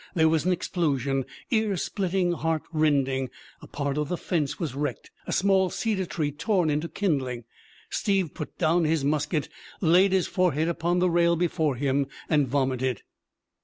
There was an explosion, ear splitting, heart rending. A part of the fence was wrecked ; a small cedar tree torn into kindling. Steve put down his musket, laid his forehead upon the rail before him, and vomited."